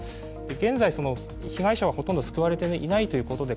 現在、被害者はほとんど救われていないということで、